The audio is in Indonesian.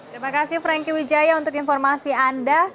terima kasih franky wijaya untuk informasi anda